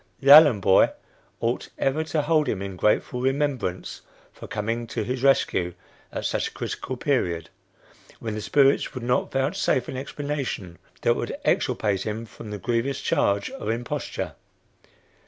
The Allen boy ought ever to hold him in grateful remembrance for coming to his rescue at such a critical period, when the spirits would not vouchsafe an explanation that would exculpate him from the grievous charge of imposture.